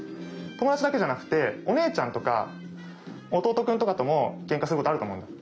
友達だけじゃなくてお姉ちゃんとか弟くんとかともケンカすることあると思うんだ。